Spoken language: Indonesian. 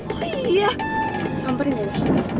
oh iya samperin dulu